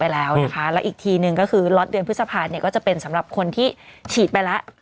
แล้วอีกทีหนึ่งก็คือล็อตเดือนพฤษภาพก็จะเป็นสำหรับคนที่ฉีดไปแล้ว